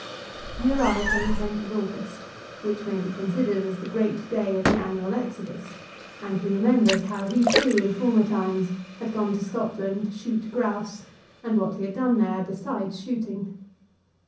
He arrived on the 10th of August, which may be considered as the great day of the annual exodus, and he remembered how he, too, in former times had gone to Scotland to shoot grouse, and what he had done there besides shooting.